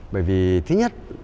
bởi vì thứ nhất